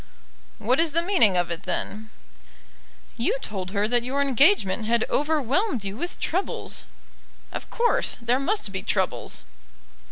"What is the meaning of it, then?" "You told her that your engagement had overwhelmed you with troubles." "Of course; there must be troubles."